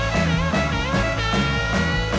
รับทราบ